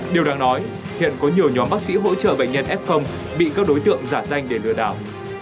điều đáng nói hiện có nhiều nhóm bác sĩ hỗ trợ bệnh nhân f bị các đối tượng giả danh để lừa đảo